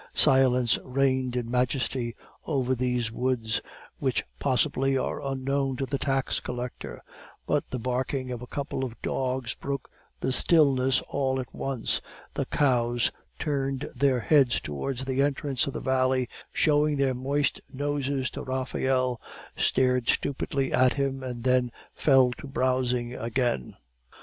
Silence reigned in majesty over these woods, which possibly are unknown to the tax collector; but the barking of a couple of dogs broke the stillness all at once; the cows turned their heads towards the entrance of the valley, showing their moist noses to Raphael, stared stupidly at him, and then fell to browsing again.